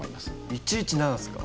１１７ですか？